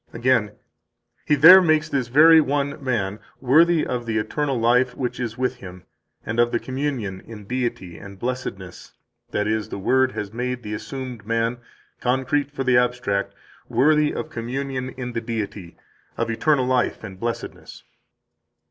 28 Again: He there makes this very One (man) worthy of the eternal life which is with Him, and of the communion in Deity and blessedness [that is, the Word has made the assumed man (concrete for the abstract) worthy of communion in the Deity, of eternal life and blessedness].